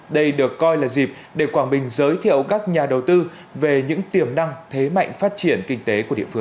đây được coi là dịp để quảng bình giới thiệu các nhà đầu tư về những tiềm năng thế mạnh phát triển kinh tế